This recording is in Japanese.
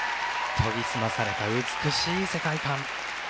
研ぎ澄まされた美しい世界観。